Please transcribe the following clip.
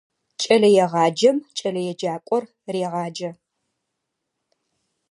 Кӏэлэегъаджэм кӏэлэеджакӏор регъаджэ.